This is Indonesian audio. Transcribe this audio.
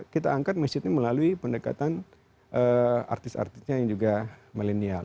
kita angkat message nya melalui pendekatan artis artisnya yang juga millennial